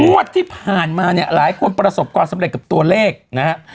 งวดที่ผ่านมาเนี่ยหลายคนประสบความสำเร็จกับตัวเลขนะฮะ